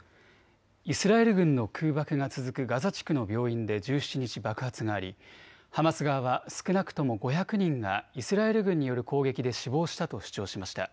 イスラエル軍の空爆が続くガザ地区の病院で１７日、爆発がありハマス側は少なくとも５００人がイスラエル軍による攻撃で死亡したと主張しました。